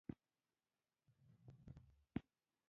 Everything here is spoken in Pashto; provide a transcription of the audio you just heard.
ولسي خلک فلسفي اصطلاحات نه پېژني